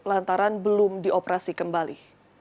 lantaran belum dioperasi kembali